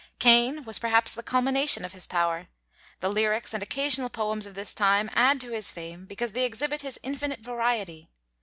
'Cain' was perhaps the culmination of his power. The lyrics and occasional poems of this time add to his fame because they exhibit his infinite variety.